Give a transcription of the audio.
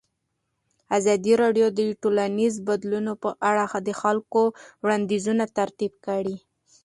ازادي راډیو د ټولنیز بدلون په اړه د خلکو وړاندیزونه ترتیب کړي.